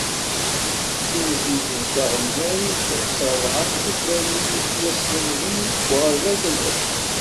D timsizzelt taɣelnawt s rebɛa n tutlayin yettwaslemden deg uɣerbaz azzayri.